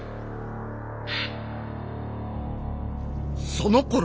そのころ